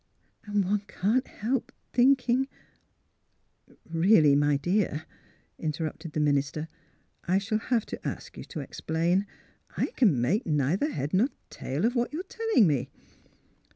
And one can't help thinking "'' Really, my dear," interrupted the minister, *' I shall have to ask you to explain. I can make neither head nor tail of what you are telling me.